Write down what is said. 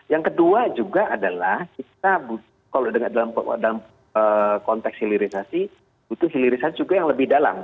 yang kedua juga adalah kita kalau dalam konteks hilirisasi butuh hilirisasi juga yang lebih dalam